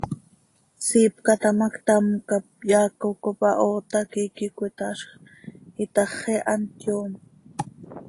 Siipca taa ma, ctam cap yaaco cop ahoot hac iiqui cöitaazj itaxi, hant yoom.